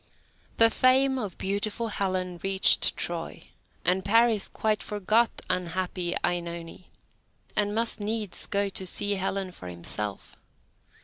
The fame of beautiful Helen reached Troy, and Paris quite forgot unhappy OEnone, and must needs go to see Helen for himself.